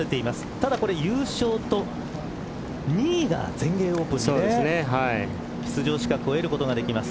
ただこれ優勝と２位が全英オープンにね出場資格を得ることができます。